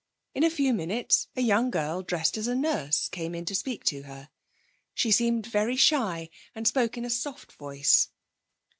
In a few minutes a young girl dressed as a nurse came in to speak to her. She seemed very shy and spoke in a soft voice.